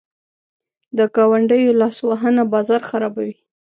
د ګاونډیو لاسوهنه بازار خرابوي.